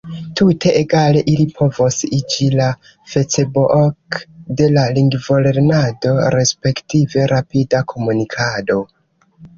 Tute egale ili povos iĝi la Facebook de la lingvolernado, respektive rapida komunikado.